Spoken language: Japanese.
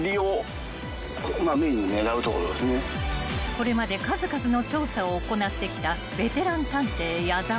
［これまで数々の調査を行ってきたベテラン探偵矢澤］